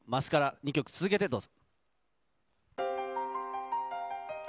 ２曲続けてどうぞ。